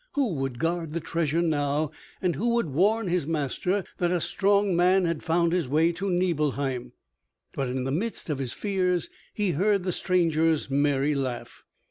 Who would guard the treasure now, and who would warn his master that a strong man had found his way to Nibelheim? But in the midst of his fears he heard the stranger's merry laugh.